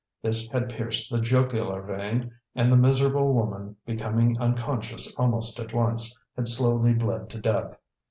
This had pierced the jugular vein, and the miserable woman, becoming unconscious almost at once, had slowly bled to death.